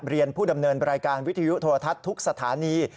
ผู้ดำเนินรายการวิทยุโทรทัศน์ทุกสถานี